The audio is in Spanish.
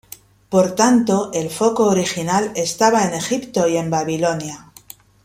Por tanto, el foco original estaba en Egipto y en Babilonia.